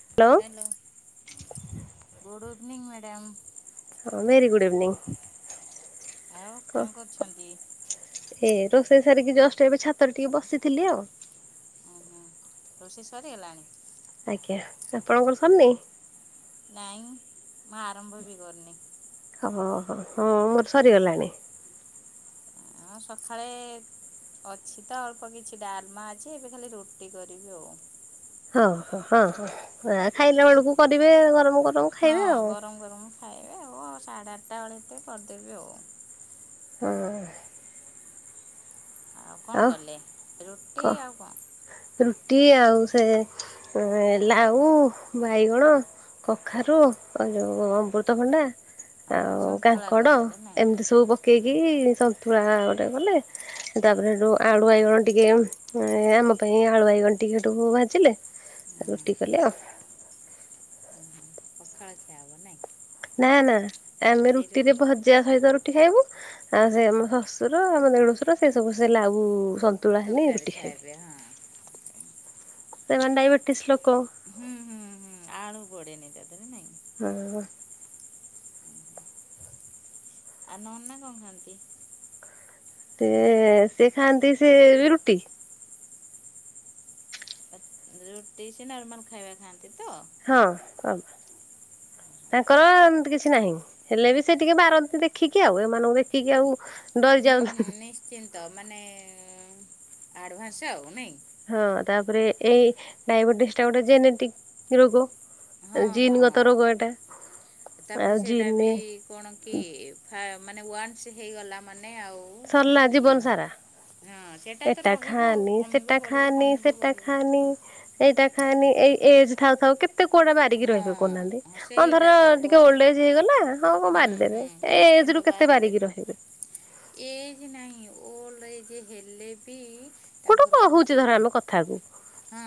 Hello hello good evening madam. ହଁ very good evening ଆଉ କଣ କରୁଛନ୍ତି? ଏ ରୋଷେଇ ସାରିକି ଜଷ୍ଟ ଏବେ ଛାତରେ ଟିକେ ବସିଥିଲି ଆଉ। ରୋଷେଇ ସରିଗଲା ଆଜ୍ଞା ଆପଣଙ୍କର ସରିନି ନାଇଁ ମୁଁ ଆରମ୍ଭ ବି କରନି। ଅ ହ ହଁ ମୋର ସରିଗଲାଣି। ସଖାଳେ ଅଛି ତ ଅଳ୍ପ କିଛି ଡାଲମା ଅଛି ଏବେ ଖାଲି ରୁଟି କରିବି ଆଉ। ହଁ ହ ହଁ ହଁ ଏରା ଖାଇଲା ବେଳକୁ କରିବେ ଗରମ ଗରମ ହଁ ଖାଇବେ ଆଉ ଗରମ ଗରମ ଖାଇବେ ଆଉ ଅ ସାଢ଼େ ଆଠଟା ବେଳେ ତ କରିଦେବି ଆଉ। ହୁଁ। କଣ ଆଉ କଲେ ରୁଟି କ ଆଉ କଣ? ରୁଟି ଆଉ ସେ ଲାଉ ବାଇଗଣ କଖାରୁ ଆଉ ଯଉ ଅମ୍ବୃତଭଣ୍ଡା ଓହୋ ଆଉ ସନ୍ତୁଳା କାଙ୍କଡ କରିଦେଲେ ନାଇଁ ଏମିତି ସବୁ ପକେଇକି ସନ୍ତୁଳା ଗୋଟେ କଲି। ତାପରେ ହେଠୁ ଆଳୁ ବାଇଗଣ ଟିକେ ଆମ ପାଇଁ ଆଳୁ ବାଇଗଣ ଟିକେ ହେଠୁ ଭାଜିଲେ। ରୁଟି କଲେ ଅଉ ଖଳ ଖିଆହବ ନାଇଁ [inaudible] ନାଁ ନାଁ ଆମେ ସେଇ ରୁଟିରେ ରୁଟି ଭ ଭଯା ସହିତ ରୁଟି ଖାଇବୁ ଆଉ ସେ ମୋ ଶଶୁର ଆମ ଦେଢୁଶୁର ସେ ସବୁ ସେ ଲାଉ ସନ ସତୁଳା ହେନେ ଇଏ ତରକାରୀ ରୁଟି ଖାଇବେ ହଁ ସେମାନେ ଡାଇବେଟିସ୍ ଲୋକ। ହୁଁ ହୁଁ ହୁଁ ଆଳୁ ପଡେନି ତାଦେହରେ ନାଇଁ ଅ ହଁ ହ ଆ ନନା କଣ ଖାଆନ୍ତି? ତେ ସେ ଖାନ୍ତି ସେ ବି ରୁଟି। ରୁଟି ସେଇ ନର୍ମାଲ ଖାଇବା ଖାଆନ୍ତି ତ ହଁ ତାଙ୍କ ତାଙ୍କର ଏମତି କିଛି ନାହିଁ। ହେଲେ ବି ସେ ଟିକେ ବାରନ୍ତି ଦେଖିକି ଆଉ ଏମାନଙ୍କୁ ଦେଖିକି ଆଉ ଡରି ହୁଁ ଯାଉ ହୁଁ ନିଶ୍ଚିନ୍ତ ମାନେ ଆଡଭାନ୍ସ ଆଉ ନାଇଁ ହଁ ତାପରେ ଏଇ ଡାଇବେଟିସ୍ ଟା ଗୋଟେ ଜେନେଟିକ ରୋଗ। ହଁ ଜିନ୍ ହଁ। ଗତ ରୋଗ ଏଟା। ତାପରେ ଆଉ ସେଇଟା ଜିନ୍ ବି କଣ କି ମାନେ ଫା ୱାନ୍ସ୍ ହେଇଗଲା ମାନେ ଆଉ। ସରିଲା ମାନେ ଇଏ ଜୀବନ ହବା ସାରା। [unintelligible] ଏଟା ରହିବ ଆଉ ଖାଆନି କମିବ ସେଟା ବଢ଼ିବ ଖାଆନି କମିବ ସେଟା ବଢ଼ିବ। ଖାଆନି। ଏଇଟା ଖାନି ଏଇ ଏଜ ଥାଉ ଥାଉ କେତେ କୁଆଡୁ ବାରିକି ହଁ ରହିିବେ କହୁନାହାନ୍ତି। ହଁ ସେଇଟା ଧର ତ ବ ଟିକେ ଓଲ୍ଡ ଏଜ ହେଇଗଲା ହଁ ମୁଁ ହୁଁ ହୁଁ ବାରିଦେବି ଏଇ ଏଜ ରୁ କେତେ ବାରିକି ରହିବି। ଏଜ ନାହିଁ ଓଲ୍ଡ ଏଜ ହେଲେ ବି। ଗୋଟେ କହୁଚି ଧର ଆମେ କଥା କୁ। ହୁଁ।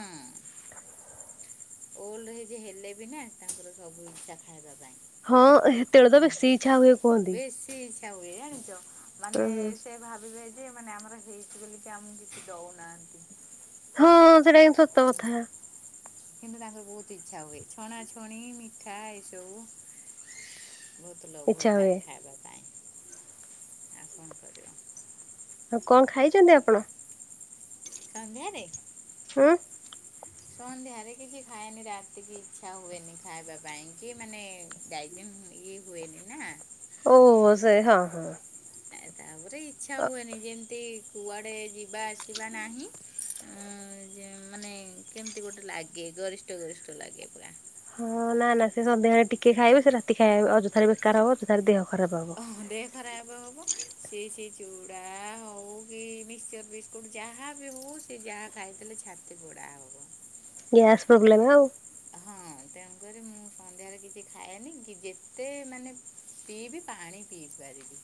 ଓଲଡ ଏଜ୍ ହେଲେ ବି ନା ତାଙ୍କର ସବୁ ଇଚ୍ଛା ଖାଇବା ପାଇଁ। ହଁ ହେତେବେଳେ ତ ବେଶୀ ଇଚ୍ଛା ହୁଏ କୁହନ୍ତି। ବେଶି ଇଚ୍ଛା ହୁଏ ଜଣିଛ ହୁଁ ମାନେ ହୁଁ। ସେ। ଭାବିବେ ଯେ ମାନେ ଆମର ହେଇଚି ବୋଲିିକ ଆମକୁ କିଛି ଦଉନାହାନ୍ତି। ହଁ ସେଇଟା ବି ସତ କଥା। କିନ୍ତୁ ତାଙ୍କର ବୋହୁତ ଇଚ୍ଛା ହୁଏ ଛଣାଛଣି ମିଠା ଏସବୁ। ବହୁତ ଲୋଭ ଇଚ୍ଛା ଥାଏ ହୁଏ ଖାଇବାକୁ। କରିବ କଣ ଖାଇଛନ୍ତି ଆପଣ? ସନ୍ଧ୍ୟାରେ? ହୁଁ ସନ୍ଧ୍ୟା ରେ କିଛି ଖାଏନି ରାତିକି ଇଚ୍ଛା ହୁଏନି ଖାଇବା ପାଇଁ କି ମାନେ ଡ଼ାଇ ଠିକ୍ ହୁଏନି ନା। ଓହୋ ସେଇ ହଁ। ଏ ତାପରେ ଇଚ୍ଛା ହୁଏନି ଯେମିତି କୁଆଡେ ଯିବା ଆସିବା ନାହିଁ। ଉଁ ଯେ ମାନେ କେମିତି ଗୋଟେ ଲାଗେ ଗରିଷ୍ଠ ଗରିଷ୍ଠ ଲାଗେ ପୁରା। ହଁ ନା ନା ସେ ସନ୍ଧ୍ୟାବେଳେ ଟିକେ ଖାଇବେ ସେ ରାତି ଖାଇବେ ଅଯଥାରେ ବେକାର ହବ ଅଯଥାରେ ଦେହ ଖରାପ ହବ। ଓହ, ଦେହ ଖରାପ ହବ। ସେ ସେ ଚୁଡ଼ା ହଉ କି ମିକ୍ସଚର୍ ବିସ୍କୁଟ୍ ଯାହା ବି ହଉ ସେ ଯାହା ଖାଇ [unintelligible] [inaudible] ଗ୍ୟାସ୍ ପ୍ରୋବ୍ଲେମ୍ ଆଉ। ହଁ। ଦେହରେ କିଛି ଖାଏନି ଯେତେ ମାନେ ପିଇବି ପାଣି ପିଇପାରିବି।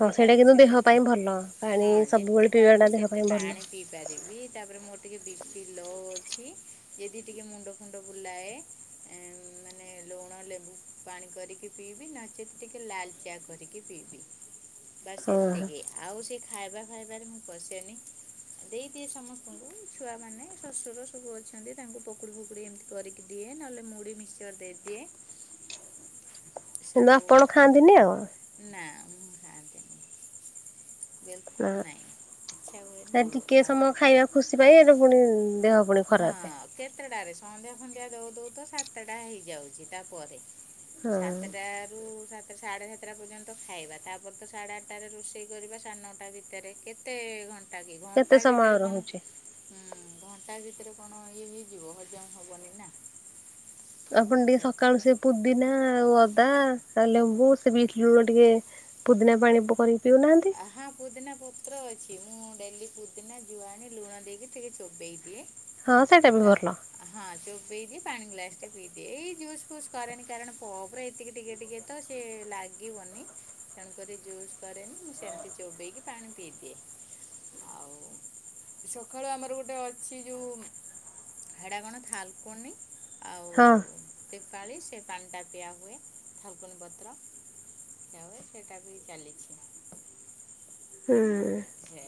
ହଁ ସେଇଟା କିନ୍ତୁ ଦେହ ସେତେ ପାଣି ପାଇଁ ଭଲ ପାଣି ହଁ ଯେତେ ସବୁବେଳେ ପିଇବାଟା ଦେହ ସେତେ ପାଇଁ ପାଣି ଭଲ। ପାରିବି। ତାପରେ ମୋର ଟିକେ ବିପି ଲୋ ଅଛି ଯଦି ଟିକେ ମୁଣ୍ଡ ଫୁଣ୍ଡ ବୁଲାଏ ଏଁ, [inaudible] ଲୁଣ ଲେମ୍ବୁ ପାଣି କରିକି ପିଇବି ନଚେତ୍ ଟିକେ ଲାଲ ଚା କରିକି ପିଇବି। ବାସ୍ ଓହୋ ଏତିକି ଆଉ ସେ ଖାଇବା ଫାଇବାରେ ମୁଁ ପସେନି ଦେଇଦିଏ ସମସ୍ତଙ୍କୁ। ଛୁଆ ମାନେ ଶଶୁର ସବୁ ଅଛନ୍ତି ତାଙ୍କୁ ପକୁଡି ଫକୁଡି ଏମିତି କରିକି ଦିଏ ନହେଲେ ମୁଢି ମିଶ ର ଦେଇଦିଏ। କିନ୍ତୁ ସବୁ ଆପଣ ଖା ଖାଆନ୍ତିନି ଆଉ। ନା। ଖାଆନ୍ତିନି ବିଲକୁଲ ନାଇଁ। ସେ ଟିକେ ସମୟ ଖାଇବା ଖୁସି ପାଇଁ ଏବେ ପୁଣି ଦେହ ପୁଣି ହଁ ଖରାପ କେତେଟାରେ ସନ୍ଧ୍ୟା ସନ୍ଧ୍ୟା ଦଉ ଦଉ ତ ସାତ ଟା ହେଇଯାଉଛି ତାପରେ। ହଁ। ସାତଟା ରୁ ସାତ ସାଢ଼େ ସାତଟା ପର୍ଯ୍ୟନ୍ତ ଖାଇବା ତାପରେ ତ ସାଢ଼େ ଆଠଟାରେ ରୋଷେଇ କରିବା ସାଢ଼େ ନଅଟା ଭିତରେ କେତେ ଘଣ୍ଟା ଟା କିି କେତେ ଘଣ୍ଟା ସମୟ ଭିତରେ କଣ? ରହୁଛି? ହୁଁ, ଘଣ୍ଟା ଏ ଭିତରେ କଣ ଇଏ ନେଇଯିବ ହଜମ ହବନି। ଆପଣ ଟିକେ ସକାଳୁ ସେ ପୁଦିନା ଆଉ ଅଦା ଲେମ୍ବୁ ସେ ବିଟ ଲୁଣ ଟିକେ ପୁଦିନା ପାଣି ପରିକି ପିଉନାହାନ୍ତି। ହଁ ପୁଦିନା ପତ୍ର ଅଛି ମୁଁ ଡେଲି ପୁଦିନା ଜୁଆଣି ଲୁଣ ଦେଇକି ଟିକେ ଚୋବେେଇ ଦିଏ। ହଁ ସେଇଟା ବି ତା ଭଲ। ହଁ ଚୋବେଇକି ପାଣି ଗ୍ଲାସ ଟେ ପିଇ ଦିଏ। ଏଇ ଜୁସ୍ ଫୁସ୍ କରେନି କାରଣ କପରେ ଏତିକି ଟିକେ ଟିକେ ତ ସେ ଲାଗିବନି ତେଣୁକରି ଜୁସ କରେନି। ମୁଁ ସେମିତି ଚୋବେଇକି ପାଣି ପିଇଦିଏ। ଆଉ ସକାଳୁ ଆମର ଗୋଟେ ଅଛି ଯେଉଁ ହେଡ଼ାଗଣା ଥାଲକଣି ଆଉ ହଁ ଦୀପାଳି ସେ ପାଣିଟା ପିଆହୁଏ। [unintelligible] ଏ ସେଟା ବି ଚାଲିଛି। ହୁଁ।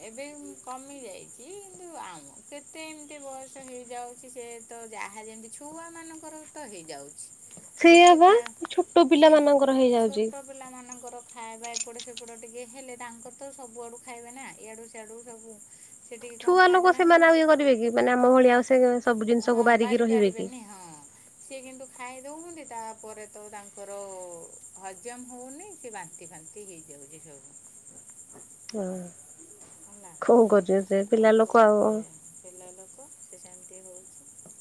ଏବେ କମି ଯାଇଛି କିନ୍ତୁ ଆମ କେତେ ଏମିତି ବୟସ ହେଇଯାଉଛି ସେ ତ ଯାହା ଯେମିତି ଛୁଆମାନଙ୍କର ତ ହେଇଯାଉଛି। ଟିକେ ସେଇଆବା ଖା ଛୋଟ ପିଲା ଏ ମାନଙ୍କର ହେଇଯାଉଛି। ଛୋଟ ପିଲାମାନଙ୍କର ଖାଇବା ଏପଟ ସେପଟ ଟିକେ ହେଲେ ତାଙ୍କର ତ ସବୁଆଡୁ ଖାଇବେ ନା ଇଆଡୁ ସେଆଡୁ ସବୁ। ସେ ଟିକେ କଣ ଛୁଆ ଲୋକ ଖାଇଦେଲାଙ୍କୁ ସେମାନେ ଆଉ ଇଏ କରିବେ କି, ମାନେ ଆମ ଭଳିଆ ଆଉ ସେ ସବୁ ହଁ ଜିନିଷକୁ ବାରି ବାରିକି ରହିବେ କି। ପାରିବେନି ହଁ ସିଏ କିନ୍ତୁ ଖାଇ ଦଉସନ୍ତି ତାପରେ ତ ତାଙ୍କର ହଜମ୍ ହଉନି କି ବାନ୍ତି ଫା ହ। [inaudible] ହଁ ହେଲା କଣ କରିଆ ସେ ଆଉ ପିଲା କଣ ଲୋକ ଆଉ। କରିବା ପିଲା ଲୋକ ସେ ଜେମ୍ତି [unintelligible]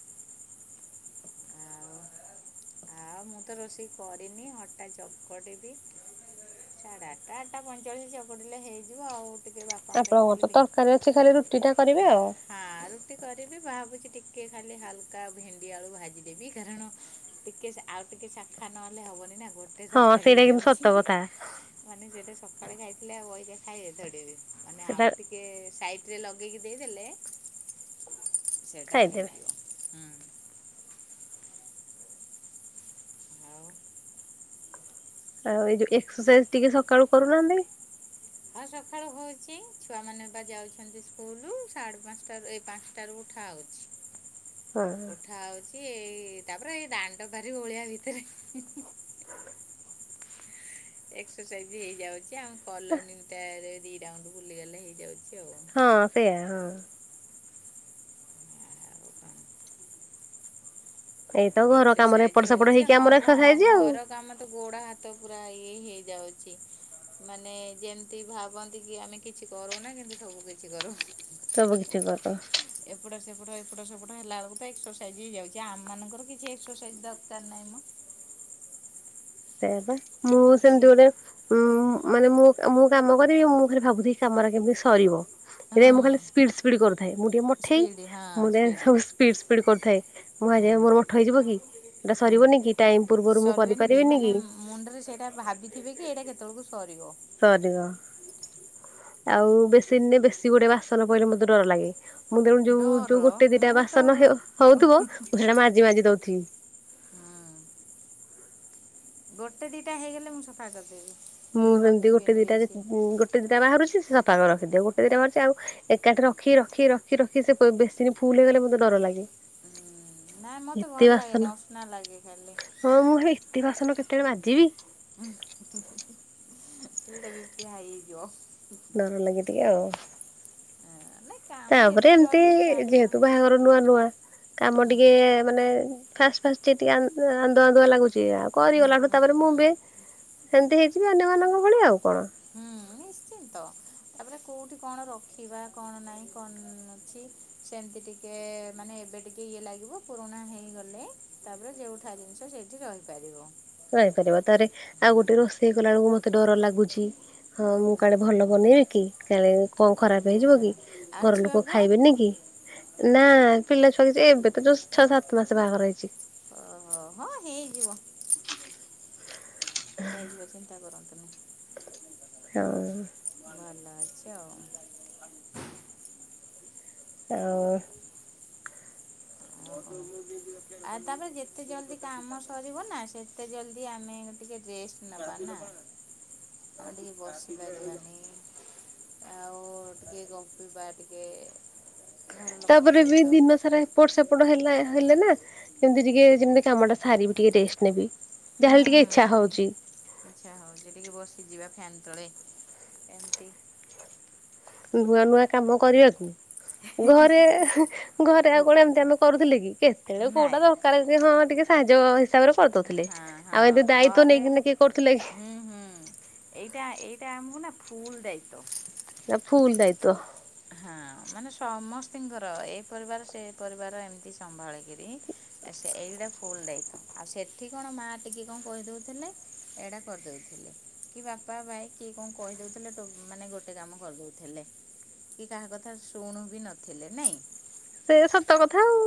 ଆଉ ମୁଁ ତ ରୋଷେଇ କରିନି ଅଟା ଚକଟିବି। ସାଢେ ଆଠଟା ଆଠଟା ପଇଚାଳିଶ [unintelligible] ପଡିଲେ ହେଇଯିବ ଆଉ ଟିକେ ବା ଆପଣଙ୍କର ତ ତରକାରୀ ଅଛି ଖାଲି ରୁଟି ଟା କରିବେ ଆଉ। ହଁ ରୁଟି କରିବି ଭାବୁଛି ଟିକେ ଖାଲି ହାଲକା ଭେଣ୍ଡି ଆଳୁ ଭାଜିଦେବି କାରଣ ଟିକେ ଆଉ ଟିକେ ଶାଖା ନହେଲେ ହବନି ନା କଣ। ହଁ ସେଇଟା କିନ୍ତୁ ସତ କଥା। ମାନେ ସେଟା ସକାଳେ ଖାଇଥିଲେ ଆଉ ଅଇକା ଖାଇବେ ଥୋଡି ଏବେ। ସେଟା ଟିକେ ସାଇଟରେ ଲଗେଇକି ଦେଇଦେଲେ ସେଇଟା ଖାଇଦେବେ। ହେଇଯିବ ହୁଁ। ଆଉ ଆଉ ଏଇ ଯୋଉ ଏକ୍ସରସାଇଜ୍ ଟିକେ ସକାଳୁ କରୁନାହାନ୍ତି। ଆଉ ସଖାଳୁ ହଉଛି ଛୁଆମାନେ ବା ଯାଉଛନ୍ତି ସ୍କୁଲୁ ସାଢ଼େ ପାଞ୍ଚଟାରୁ ଏଇ ପାଞ୍ଚଟାରୁ ଉଠାହଉଛି। ହଁ। ହଉଛି ଏଇ ତାପରେ ଏଇ ଦାଣ୍ଡ ଭାରି ଓଳେଇଆ ଭିତରେ ହିଁ-ହିଁ। ଏକ୍ସରସାଇଜ୍ ହେଇଯାଉଚି ଆମ କଲୋନି ଟାରେ ଦି ରାଉଣ୍ଡ ବୁଲିଗଲେ ହେଇଯାଉଚି ଆଉ। ହଁ ସେୟା ହଁ। ଆଉ କଣ ଏଇତ ଘର କାମରେ ଏପଟ ଏକ୍ସରସାଇଜ ସେପଟ ହଉଚି ହେଇକି ହଁ ଆମର ଘ ଏକ୍ସରସାଇଜ ଆଉ। ଘର କାମ ତ ଗୋଡ ହାତ ପୁରା ଇଏ ହେଇଯାଉଚି। ମାନେ ଯେମ୍ତି ଭାବନ୍ତି କି ଆମେ କିଛି କରୁନା କିନ୍ତୁ ସବୁ କିଛି କରୁ। ସବୁ କିିଛି [unintelligible] ଏପଟ ସେପଟ ଏପଟ ସେପଟ ହେଲା ବେଳକୁ ତ ଏକ୍ସରସାଇଜ୍ ହେଇଯାଉଚି, ଆମ ମାନଙ୍କର କିଛି ଏକ୍ସରସାଇଜ୍ ଦରକାର୍ ନାହିଁ ମ। ସେୟା ବା, ମୁଁ ସେମ୍ତି ଝି- ଗୋଟେ ଉଁ ମାନେ ମୁଁ-ମୁଁ କାମ କରିବି ମୁଁ ଖାଲି ଭାବୁଥିବି କାମରା କେମିତି ସରିବ। [unintelligible] ମୁଁ ହଁ ଖାଲି ସ୍ପିଡ୍-ସ୍ପିଡ୍ କରୁଥାଏ, ମୁଁ ଟିକେ ମଠେଇ ସ୍ପିଡ଼ ହଁ ମୁଁ ଟିକେ ସ୍ପିଡ଼ ସବୁ ସ୍ପିଡ୍-ସ୍ପିଡ୍ କରୁଥାଏ ମୁଁ ହଁ [unintelligible] ମୋର ମଠ ହଁ ହେଇଯିବ କି ଟାଇମ୍ ପୂର୍ବରୁ ମୁଁ ସରିବନି କରିପାରି କି ମାନେ ମୁଣ୍ଡରେ ସେଇଟା ଭାବିଥିବେ କି ଏଇଟା କେତବଳକୁ ସରିବ। ସରିବ ଆଉ ବେସିନ୍ ରେ ବେଶୀ ଗୋଟେ ବାସନ ପଇଲେ ମତେ ଡର ଲାଗେ। ମୁଁ ତେଣୁ ଯୋଉ-ଯୋଉ ଡର ଗୋଟେ ଦିଟା ମୁଁ ତ ବାସନ ହେ ହଉଥିବ ମୁଁ ସେଇଟା ମାଜି-ମାଜି ଦଉଥିବି। ଗୋଟେ ଦିଟା ହେଇଗଲେ ମୁଁ ସଫା କରିଦେବି। ମୁଁ ସେମ୍ତି ଗୋଟେ ରଖିବିନି ଦିଟା ଯେ ବେଶୀ ଗୋ ଟେ ଦିଟା ବାହାରୁଛି ସେ ସଫା ରଖିଦିଏ, ଗୋଟେ ଦିଟା ବାହାରୁଛି ଆଉ ଏକାଠି ରଖି ରଖି ରଖି ର ଖି ସେ ବେସିନି ଫୁଲ୍ ହେଇଗଲେ ମତେ ଡର ଲାଗେ। ନାଇଁ ମତେ ଏତେ ଭଲ୍ ବାସନ ଲାଗେନି ଅସ୍ନା ଲାଗେ ଖାଲି। ହଁ ମୁଁ ହେ ଏତେ ବାସନ କେତେବେଳେ ମାଜିବି? [unintelligible] ଏଟା ବିପି ହାଇ ହେଇଯିବ। ଡର ଲାଗେ ଟିକେ ଆଉ। ନାଇଁ କାମ ତାପରେ ଯେତେ ଏମ୍ତି ଜଲ୍ଦି ସାରିବା ଯେହେତୁ ବାହାଘର ନୂଆ-ନୂଆ କାମ ହୁଁ ଟିକେ ମାନେ ଫାଷ୍ଟ-ଫାଷ୍ଟ ଟିକେ-ଟିକେ ଆ ଆନ୍ଦୁଆ-ଆନ୍ଦୁଆ ଲାଗୁଚି ଆଉ ହୁଁ କରିଗଲାଠୁ ହୁଁ ତାପରେ ମୁଁ ହୁଁ ବି ସେମ୍ତି ହେଇଯିବି ଅନ୍ୟମାନଙ୍କ ଭଳି ଆଉ କଣ। ହୁଁ ନିଶ୍ଚି ନ୍ତ ତାପରେ କୋଉଠି କଣ ରଖିବା କଣ ନାଇଁ କଣ ଅଛି। ସେମ୍ତି ଟିକେ ମାନେ ଏବେ ଟିକେ ଇଏ ଲାଗିବ ପୁରୁଣା ହେଇଗଲେ ତାପରେ ଯୋଉଠା ଜିନିଷ ସେଇଠି ରହିପାରିବ। ରହିପାରିବ ତାରେ ଆଉ ହୁଁ ଗୋଟେ ରୋଷେଇ କଲା ବେଳକୁ ମତେ ଡର ଲାଗୁଚି। ହଁ ମୁଁ ହୁଁ କାଳେ ଭଲ ହୁଁ ବନେଇବି କି କାଳେ କଣ ଖରାପ ହଁ ହେଇଯିବ କି? ଆଉ ଘର ଛୁଆ ଲୋକ ଫୁଆ ଖାଇବେନି କି? ନା ପିଲା ଛୁଆ କିଛି ଏବେ ତ ଜଷ୍ଟ ଛଅ ସାତ ମାସ ବାହା ଘର ହେଇଚି। ଓହୋ ହଁ ହେଇଯିବ। ହେଇଯିବ ଚିନ୍ତା କରନ୍ତୁନି। ହଁ। ଭଲ ଅଛି ଆଉ। ଆଉ ଆଉ କଣ [unintelligible] ଆଉ ତାପରେ ଯେତେ ଜଲଦି କାମ ସରିବ ନା ସେତେ ଜଲଦି ଆମେ ଟିକେ ରେଷ୍ଟ ନବା ନା ଆମେ ଟିକେ ବସି ପାରିବାନି। ଆଉ ଟିକେ ଗପିବା ଟିକେ ଘର ଲୋକଙ୍କ ତାପରେ ବି ସହିତ। ଦିନ ସାରା ଏତେ ଏପଟ ସେପଟ ହେଲେ ହେଲେ ନା ଯେମିତି ଟିକେ ଯେମିତି କାମଟା ସାରିବି ଟିକେ ରେଷ୍ଟ ନେବି। ଯାହାେଲେ ଟିକେ ଇଚ୍ଛା ହଉଚି। ଯେଠିକି ବସିଯିବା ଫ୍ୟାନ୍ ତଳେ ଏମିତି ନୂଆ ନୂଆ କାମ କରିବାକୁ ଘରେ ହେ ଘରେ ଆଉ ହୁଅ କଣ ଏମତି ଆମେ କରୁଥିଲେ କି କେତେବେଳେ କୋଉଟା ନାଇଁ ଦର କରେ ହଁ ଟିକେ ସାହାଯ୍ୟ ହିସାବରେ କରିଦଉଥିଲେ ହଁ ହଁ ଆଉ ଏବେ ଦାୟିତ୍ୱ ଘରେ ନେଇକିନା କିଏ କରୁଥିଲେ କି? ହୁଁ ହୁଁ। ଏଇଟା ଏଇଟା ଆମକୁ ନା ଫୁଲ ଦାୟିତ୍ୱ। ନା ଫୁଲ ଦାୟିତ୍ଵ। ହଁ ମାନେ ସମସ୍ତିଙ୍କର ଏଇ ପରିବାର ସେ ପରିବାର ଏମିତି ସମ୍ଭାଳିକିରି ଆଛା ସେ ଏଇଗଟା ଫୁଲ ଦାୟିତ୍ୱ ଆଉ ସେଠି କଣ ମା ଟିକେ କଣ କହିଦଉଥିଲେ। ଏଇଡ଼ା କରିଦେଉଥିଲେ। କି ବାପା ଭାଇ କିଏ କଣ କହିଦଉଥିଲେ ମାନେ ଗୋଟେ କାମ କରିଦଉଥିଲେ। କି କାହା କଥା ଶୁଣୁ ବି ନଥିଲେ ନାଇଁ। ସେ ସତ କଥା ଆଉ।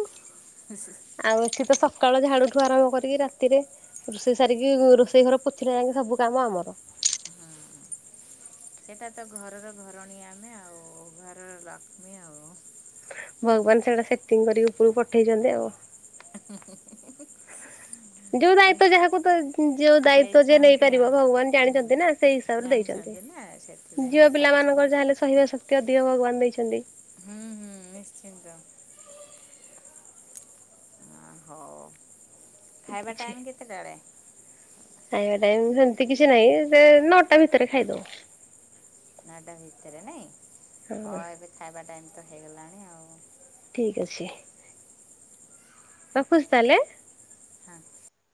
ଖୁସି ଆଉ ଏଠି ତ ସକାଳ ଝାଡୁଠୁ ଆରମ୍ଭ କରିକି ରାତିରେ ରୋଷେଇ ସାରିକି ରୋଷେଇ ଘର ପୋଛିଲା ଯାଇକି ସବୁ କାମ ଆମର। ହଁ ସେଟା ତ ଘରର ଘରଣୀ ଆମେ ଆଉ ଘରର ଲ ଭଗବାନ ସେଇଟା ସେଟିଙ୍ଗ କରିକି ଉପରକୁ ପଠେଇଛନ୍ତି ଆଉ। ହୁଁ ହୁଁ ହୁଁ। ଯୋଉ ଦାୟିତ୍ୱ ଯାହାକୁ ତ ଯୋଉ ଦାୟିତ୍ଵ ଯେ ଦେଇଛନ୍ତି ନେଇପାରିବ ଆଉ ଭଗବାନ ହୁଁ ଜାଣିଛନ୍ତି ନା ସେଇ ହିସାବ ରେ ଦେଇଛନ୍ତି। ଜାଣିଛନ୍ତି ନା ସେଥିପାଇଁକି ଝିଅ ପିଲା ମାନଙ୍କର ଛାଡ଼ିଛନ୍ତି ଯାହା ହେଲେ ସହିବା ଶକ୍ତି ଅଧିକ ଭଗବାନ ଦେଇଛନ୍ତି। ହୁଁ ହୁଁ ନିଶ୍ଚିନ୍ତ। ହଉ ଖାଇବା କିଛି ଟାଇମ କେତେଟାଳେ। ଖାଇବା ଟାଇମ ସେମିତି କିଛି ନାହିଁ ସେ ନଅଟା ଭିତରେ ଖାଇଦଉ। ନଟା ଭିତରେ ନାଇଁ ହଁ ଏବେ ଖାଇବା ଟାଇମ ତ ହେଇଗଲାଣି ଆଉ। ଠିକ୍ ଅଛି। ରଖୁଛି ତାହେଲେ। ହଁ